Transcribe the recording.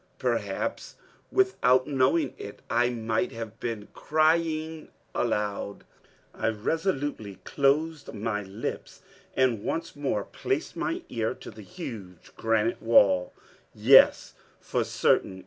Perhaps without knowing it, I might have been crying aloud. I resolutely closed my lips, and once more placed my ear to the huge granite wall. Yes, for certain.